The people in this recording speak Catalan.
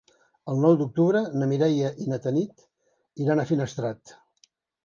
El nou d'octubre na Mireia i na Tanit iran a Finestrat.